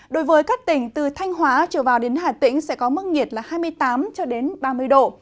đối với các tỉnh từ thanh hóa trở vào đến hà tĩnh sẽ có mức nhiệt là hai mươi tám ba mươi độ